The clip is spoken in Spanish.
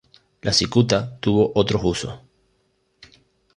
La cicuta tuvo otros usos.